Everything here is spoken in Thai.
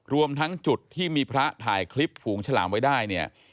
รวมทั้งจุดที่มีพระถ่ายคลิปฝูงฉลามไว้ได้เนี่ย